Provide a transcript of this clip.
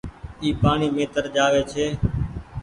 اي پآڻيٚ مين تر جآوي ڇي۔